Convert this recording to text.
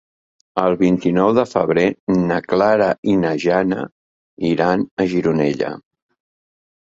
El vint-i-nou de febrer na Clara i na Jana iran a Gironella.